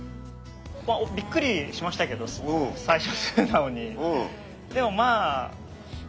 まあびっくりしましたけど最初素直に。